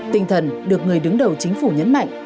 tinh thần được người đứng đầu chính phủ nhấn mạnh